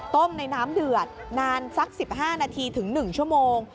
ต้มในน้ำเดือดนานสัก๑๕นาทีถึง๑ชั่วโมง